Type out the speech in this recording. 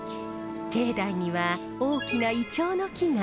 境内には大きなイチョウの木が。